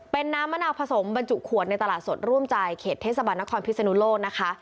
เป็นน้ำมะนาวผสมบรรจุขวดในตลาดสดร่วมใจเขตเทศบาลนครพิศนุโลกนะคะ